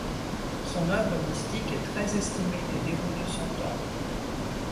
Son œuvre mystique est très estimée des dévots de son temps.